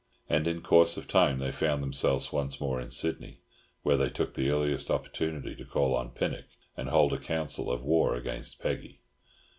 And in course of time they found themselves once more in Sydney, where they took the earliest opportunity to call on Pinnock, and hold a council of war against Peggy.